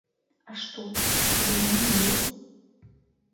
А што, хіба яны не людзі?